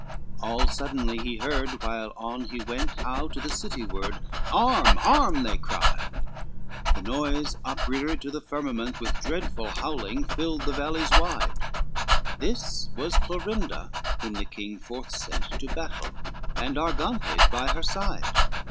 XLIII All suddenly he heard, while on he went, How to the city ward, "Arm, arm!" they cried, The noise upreared to the firmament, With dreadful howling filled the valleys wlde: This was Clorinda, whom the king forth sent To battle, and Argantes by her side.